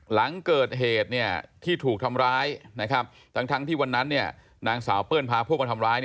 หลังเกิดเหตุที่ถูกทำร้ายทั้งที่วันนั้นนางสาวเปิ้ลพาพวกมาทำร้าย